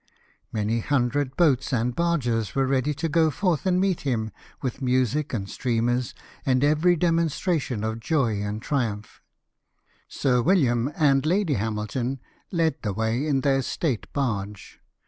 Many hundred boats and barges were ready to go forth aiid meet him, with music and streamers, and every demonstration of joy and triumph. Sir William and Lady Hamilton led the way in their state barge.